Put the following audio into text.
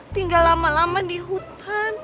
tinggal lama lama di hutan